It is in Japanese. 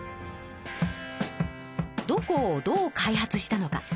どこをどう開発したのか。